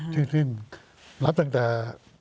จริงแล้วตั้งแต่